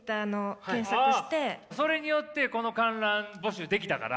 それによってこの観覧募集できたから。